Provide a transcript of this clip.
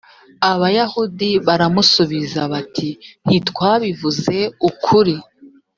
abayahudi baramusubiza bati ntitwabivuze ukuri